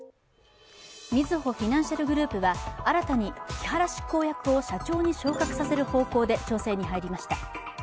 みずほフィナンシャルグループは新たに木原執行役を社長に昇格させる方向で調整に入りました。